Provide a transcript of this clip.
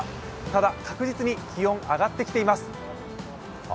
ただ、確実に気温は上がってきています。